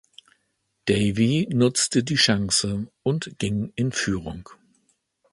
Davey nutzte die Chance und ging in Führung.